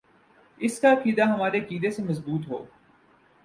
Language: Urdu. اس کا عقیدہ ہمارے عقیدے سے مضبوط ہو